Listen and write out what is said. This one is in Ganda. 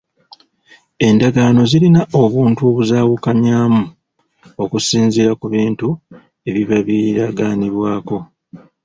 Endagaano zirina obuntu obuzaawukanyaamu okusinziira ku bintu ebiba biragaanibwako.